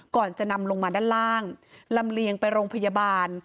ก่อนจะนำลงมาด้านล่างลำเลียงไปโรงพยาบาล